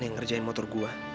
yang ngerjain motor gue